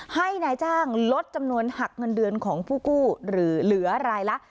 ให้นายจ้างลดจำนวนหักเงินเดือนของผู้กู้หรือเหลือรายละ